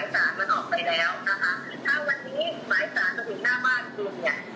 ถ้าคุณอยากให้ไอ้นางน้องสวดสอบก็สวดสอบได้